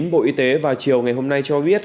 bộ y tế vào chiều ngày hôm nay cho biết